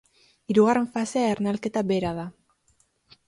Hirugarren fasea ernalketa bera da.